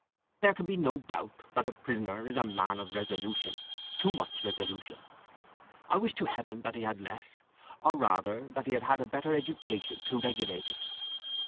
There can be no doubt that the prisoner is a man of resolution too much resolution. I wish to Heaven that he had less, or rather that he had had a better education to regulate it.